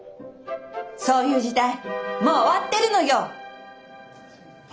そういう時代もう終わってるのよ！